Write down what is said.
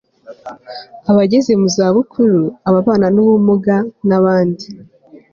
abageze mu zabukuru, ababana n'ubumuga, n'abandi